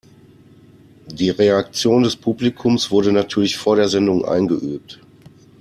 Die Reaktion des Publikums wurde natürlich vor der Sendung eingeübt.